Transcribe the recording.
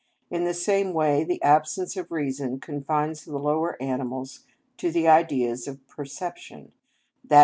In the same way the absence of reason confines the lower animals to the ideas of perception, _i.